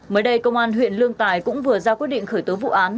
mới đây công an huyện lương tài cũng vừa ra quyết định khởi tố vụ án